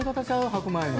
白米の。